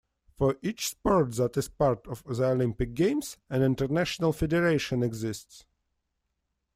For each sport that is part of the Olympic Games, an International Federation exists.